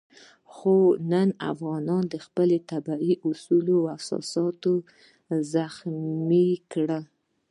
خو نن افغانانو خپل طبیعي اصول او اساسات زخمي کړي.